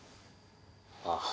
ああ。